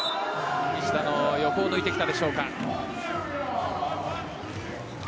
西田の横を抜いてきたでしょうか。